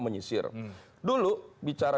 menyisir dulu bicara